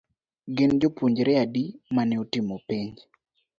Gin jopuonjre adi mane otim penj.